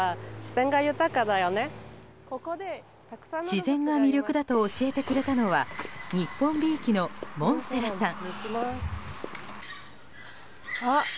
自然が魅力だと教えてくれたのは日本びいきのモンセラさん。